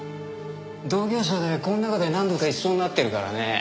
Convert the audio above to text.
同業者でこの中で何度か一緒になってるからね。